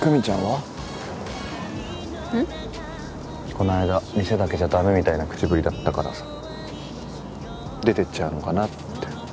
こないだ店だけじゃだめみたいな口ぶりだったからさ出てっちゃうのかなって。